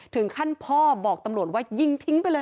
ถึงขั้นพ่อบอกตำรวจว่ายิงทิ้งไปเลย